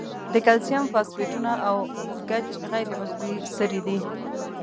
د کلسیم فاسفیټونه او ګچ غیر عضوي سرې دي.